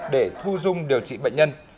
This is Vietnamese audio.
để thu dung điều trị bệnh nhân